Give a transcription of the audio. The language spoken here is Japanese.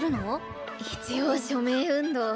一応署名運動。